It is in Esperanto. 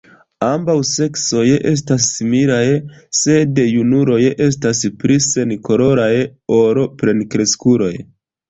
Ambaŭ seksoj estas similaj, sed junuloj estas pli senkoloraj ol plenkreskuloj.